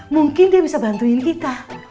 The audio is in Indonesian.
mungkin dia bisa bantuin kita